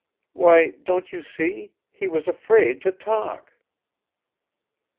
Why, don't you see, he was afraid to talk!"